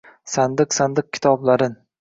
Sandiq-sandiq kitoblarin